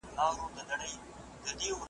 د حاجتمندو حاجتونه راځي .